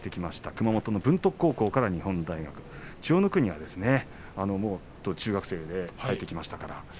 熊本の文徳高校から日本大学千代の国は中学生で入ってきましたから。